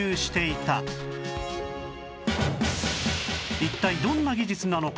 一体どんな技術なのか？